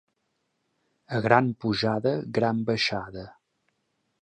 A gran pujada, gran baixada.